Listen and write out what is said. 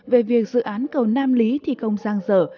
về việc dự án cầu nam lý thi công giang dở